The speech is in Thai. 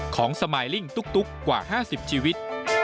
ของสมาลิงตุ๊กกว่า๕๐ชีวิต